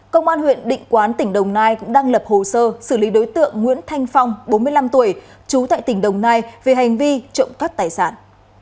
công an huyện định quán tỉnh đồng nai cũng đang lập hồ sơ xử lý đối tượng nguyễn thanh phong bốn mươi năm tuổi trú tại tỉnh đồng nai về hành vi trộm cắp tài sản